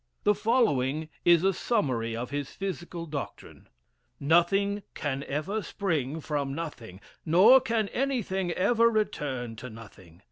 The following is a summary of his physical doctrine: "Nothing can ever spring from nothing, nor can anything ever return to nothing.